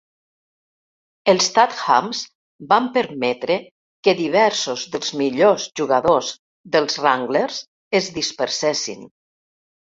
Els Tathams van permetre que diversos dels millors jugadors dels Wranglers es dispersessin.